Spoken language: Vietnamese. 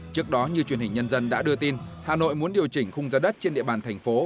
trước đó như truyền hình nhân dân đã đưa tin hà nội muốn điều chỉnh khung giá đất trên địa bàn thành phố